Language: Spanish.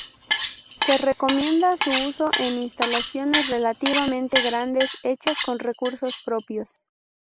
Se recomienda su uso en instalaciones relativamente grandes hechas con recursos propios.